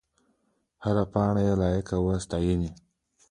هره پاڼه یې لایق وه د ستاینې.